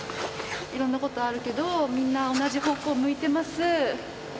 いろんなことあるけどみんな同じ方向を向いてます。